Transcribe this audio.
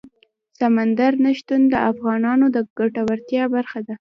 سمندر نه شتون د افغانانو د ګټورتیا برخه ده.